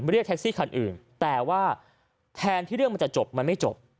เรียกแท็กซี่คันอื่นแต่ว่าแทนที่เรื่องมันจะจบมันไม่จบ